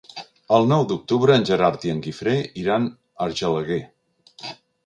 El nou d'octubre en Gerard i en Guifré iran a Argelaguer.